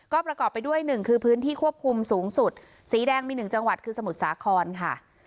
ก็ประกอบไปด้วยหนึ่งคือพื้นที่ควบคุมสูงสุดสีแดงมี๑จังหวัดคือสมุทรสาครค่ะ